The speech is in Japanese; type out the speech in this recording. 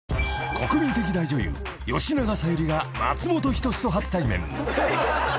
［国民的大女優吉永小百合が松本人志と初対面］